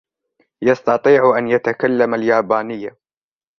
يستطيع أن يتكلم اليابانية.